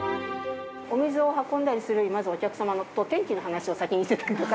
お水を運んだりするよりまずお客様とお天気の話を先にしてたりとか。